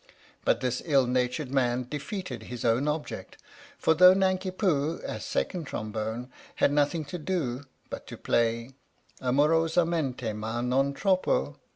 But this ill natured man defeated his own object, for though Nanki Poo, as second trombone, had nothing to do but to play 4 THE STORY OF THE MIKADO Amorosamente, ma non troppo